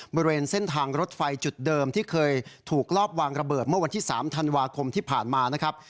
บริเวณเส้นทางรถไฟจุดเดิมที่เคยถูกลอบวางระเบิดเมื่อวันที่๓ธันวาคมที่ผ่านมานะครับ